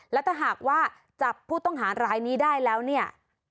และถ้าหากว่าจับผู้ต้องหารายนี้ได้แล้วเนี่ย